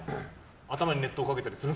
頭に熱湯かけたりする？